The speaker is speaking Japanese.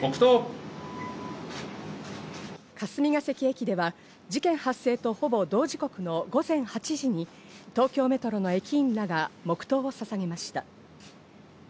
霞ケ関駅では事件発生とほぼ同時刻の午前８時に東京メトロの駅員らが黙祷をささげました。